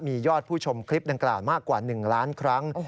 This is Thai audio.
มียอดผู้ชมคลิปดังกล่าวมากกว่า๑ล้านครั้ง